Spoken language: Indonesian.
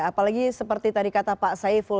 apalagi seperti tadi kata pak saiful